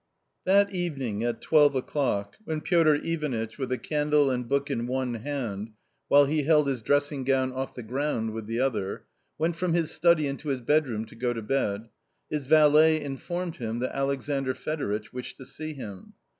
That evening at twelve o'clock, when Piotr Ivanitch, with a candle and book in one hand, while he held his dressing gown off the ground with the other, went from his study into his bedroom to go to bed, his valet informed him that Alexandr Fedoritch wished to see him.